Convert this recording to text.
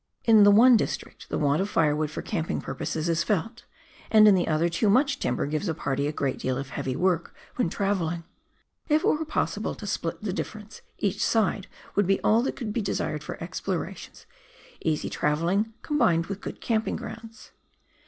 In the one district the want of firewood for camping purposes is felt, and in the other too much timber gives a party a great deal of heavy work when travelling. If it were possible to " split the difference," each side would be all that could be desired for explorations — easy travelling, combined with good camping grounds.